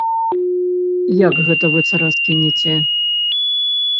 Як гэта вы цара скінеце?!